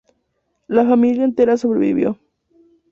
La familia entera sobrevivió.